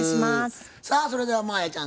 さあそれでは真彩ちゃん